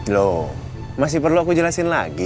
loh masih perlu aku jelasin lagi